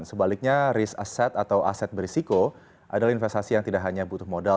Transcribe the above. sebaliknya risk asset atau aset berisiko adalah investasi yang tidak hanya butuh modal